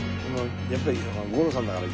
やっぱり。